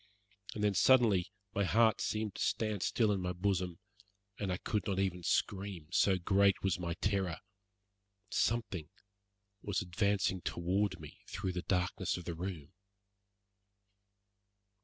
And then, suddenly, my heart seemed to stand still in my bosom, and I could not even scream, so great was my terror. Something was advancing toward me through the darkness of the room.